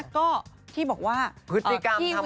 ก็ที่บอกว่าพฤติกรรมทำ